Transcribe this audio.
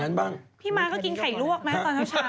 เป็นยาอยุ่นิดนึง